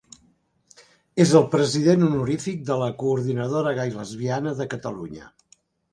És el president honorífic de la Coordinadora Gai-Lesbiana de Catalunya.